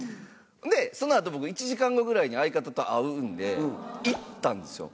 でその後僕１時間後ぐらいに相方と会うんでいったんですよ。